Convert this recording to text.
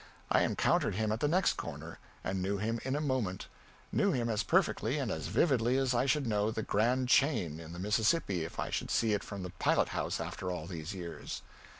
I encountered him at the next corner, and knew him in a moment knew him as perfectly and as vividly as I should know the Grand Chain in the Mississippi if I should see it from the pilot house after all these years.